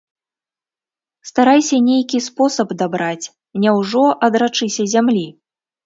Старайся нейкі спосаб дабраць, няўжо адрачыся зямлі?